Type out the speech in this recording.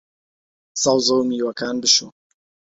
سەوزە و میوەکان بشۆ